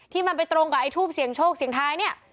ที่มันไปตรงกับไอทูปเสียงโชคเสียงท้ายเนี่ย